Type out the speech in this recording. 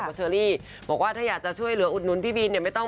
ว่าเชอรี่บอกว่าถ้าอยากจะช่วยเหลืออุดนุนพี่บิน